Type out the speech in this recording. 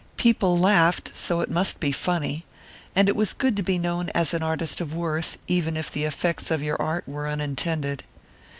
People laughed, so it must be funny. And it was good to be known as an artist of worth, even if the effects of your art were unintended.